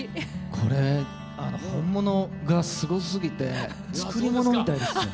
これ、本物がすごすぎて作り物みたいですよ。